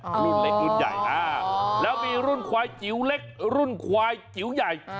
รุ่นเล็กรุ่นใหญ่อ่าแล้วมีรุ่นควายจิ๋วเล็กรุ่นควายจิ๋วใหญ่